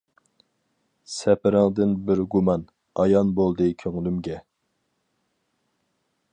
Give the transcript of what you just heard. سەپىرىڭدىن بىر گۇمان، ئايان بولدى كۆڭلۈمگە.